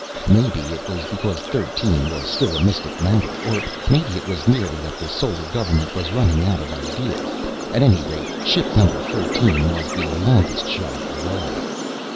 Maybe it was because thirteen was still a mystic number, or maybe it was merely that the Solar Government was running out of ideas. At any rate, ship Number Thirteen was the longest shot of all.